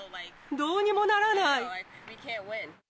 どうにもならない。